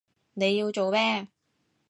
你要做咩？